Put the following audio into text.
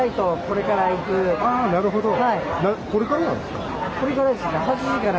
これからなんですか？